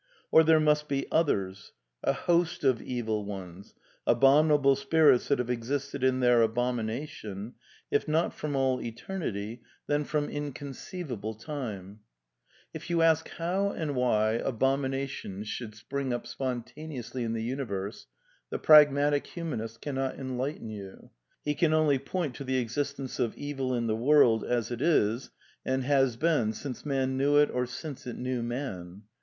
Or there must be Others, a host of Evil Ones, abominable spirits that have existed in their abomination, if not from all eternity, then from incon 140 A DEFENCE OF IDEALISM ceivable tima If you ask how and why abominations should spring up spontaneously in the universe, the prag matic humanist cannot enlighten you* He can only point to the existence of evil in the world as it is and has been since man knew it or since it knew man.